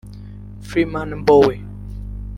Freeman Mbowe